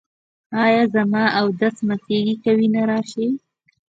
ایا زما اودس ماتیږي که وینه راشي؟